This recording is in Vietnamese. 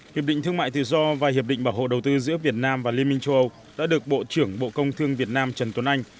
hiệp định thương mại tự do và hiệp định bảo hộ đầu tư giữa việt nam và liên minh châu âu đã được bộ trưởng bộ công thương việt nam trần tuấn anh